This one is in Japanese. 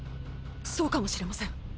そうかもしれません。